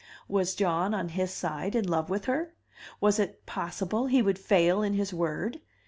Was John, on his side, in love with her? Was it possible he would fail in his word?